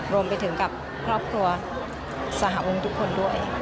รวมไปถึงกับครอบครัวสหวงทุกคนด้วย